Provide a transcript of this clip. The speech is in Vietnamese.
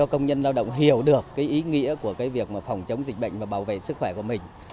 công nhân lao động hiểu được ý nghĩa của việc phòng chống dịch bệnh và bảo vệ sức khỏe của mình